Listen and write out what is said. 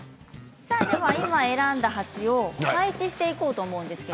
選んだ鉢を配置していこうと思います。